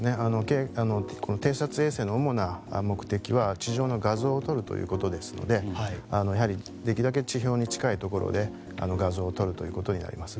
偵察衛星の主な目的は地上の画像を撮ることですのでやはり、できるだけ地表に近いところで画像を撮るということになります。